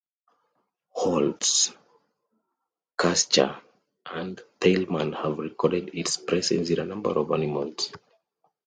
Holtz, Kutscher, and Theilmann have recorded its presence in a number of animals.